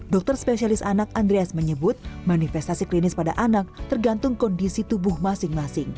dokter spesialis anak andreas menyebut manifestasi klinis pada anak tergantung kondisi